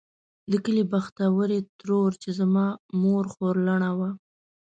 د کلي بختورې ترور چې زما مور خورلڼه وه.